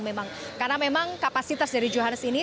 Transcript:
memang karena memang kapasitas dari johannes ini